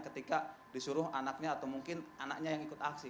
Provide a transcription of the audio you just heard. ketika disuruh anaknya atau mungkin anaknya yang ikut aksi